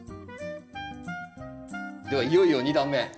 ではいよいよ２段目。